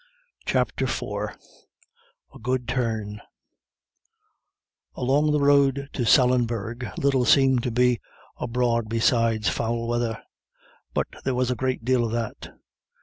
CHAPTER IV A GOOD TURN Along the road to Sallinbeg little seemed to be abroad besides foul weather, but there was a great deal of that.